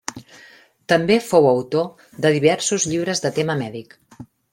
També fou autor de diversos llibres de tema mèdic.